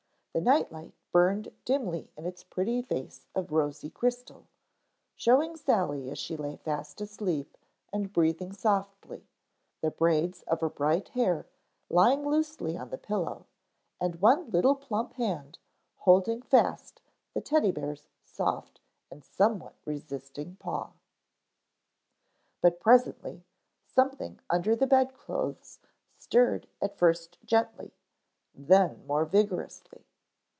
The night light burned dimly in its pretty vase of rosy crystal, showing Sally as she lay fast asleep and breathing softly, the braids of her bright hair lying loosely on the pillow, and one little plump hand holding fast the Teddy bear's soft and somewhat resisting paw. But presently something under the bedclothes stirred at first gently, then more vigorously.